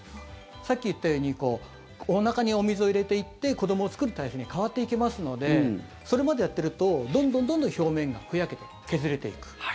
さっき言ったようにおなかにお水を入れていって子どもを作る態勢に変わっていきますのでそれまでやっているとどんどん表面がふやけて削れていく。